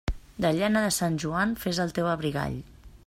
De llana de Sant Joan, fes el teu abrigall.